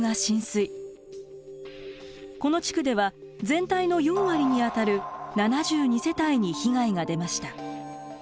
この地区では全体の４割にあたる７２世帯に被害が出ました。